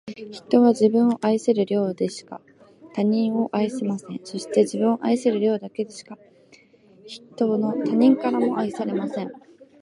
人は、自分を愛せる量だけしか、他の人を愛せません。そして、自分を愛せる量だけしか、他の人からも愛されません。